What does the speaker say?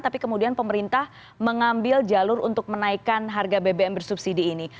tapi kemudian pemerintah mengambil jalur untuk menaikkan harga bbm bersubsidi ini